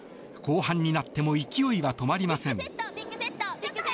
後半になっても勢いは止まりません。